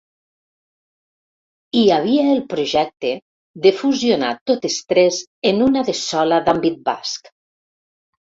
Hi havia el projecte de fusionar totes tres en una de sola d'àmbit basc.